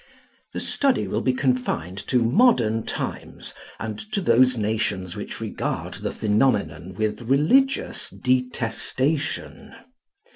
The study will be confined to modern times, and to those nations which regard the phenomenon with religious detestation.